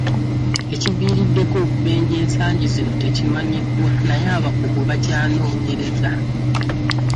Ekiviiriddeko obubenje ensangi zino tekimanyiddwa naye abakugu bakyanoonyereza.